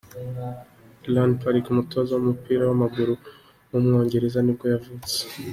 Ian Pearce, umutoza w’umupira w’amaguru w’umwongereza nibwo yavutse.